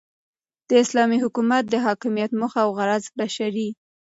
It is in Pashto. داسلامي حكومت دحاكميت موخه اوغرض بشري